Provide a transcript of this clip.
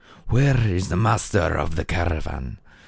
" Where is the master of the caravan